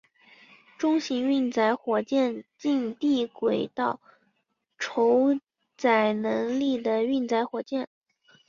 中型运载火箭近地轨道酬载能力的运载火箭。